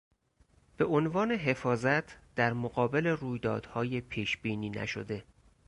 بهعنوان حفاظت در مقابل رویدادهای پیشبینی نشده